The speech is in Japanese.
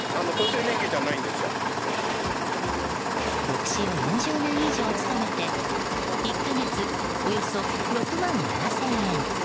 牧師を４０年以上務めて１か月およそ６万７０００円。